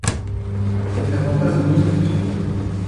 Ne perdons pas une minute !